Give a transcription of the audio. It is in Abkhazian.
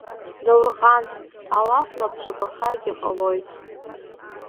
Заурҟан, алакә лабҿабахаргьы ҟалоит!